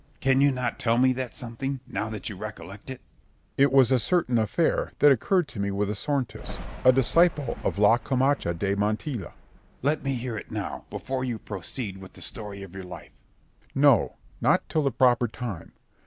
Scip. Can you not tell me that something now that you recollect it? Berg. It was a certain affair that occurred to me with a sorntess, a disciple of la Camacha de Montilla. Scip. Let me hear it now, before you proceed with the story of your life. Berg. No, not till the proper time.